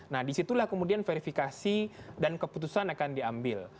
nah disitulah kemudian verifikasi dan keputusan akan diambil